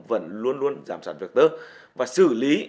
vẫn luôn luôn giảm sản vật tơ và xử lý